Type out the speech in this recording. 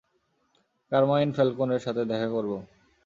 Carmine ফ্যালকোনের সাথে দেখা করব।